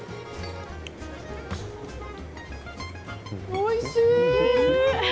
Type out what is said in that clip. おいしい！